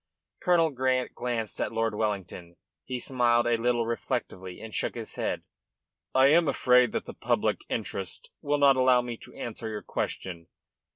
Colonel Grant glanced at Lord Wellington. He smiled a little reflectively and shook his head. "I am afraid that the public interest will not allow me to answer your question.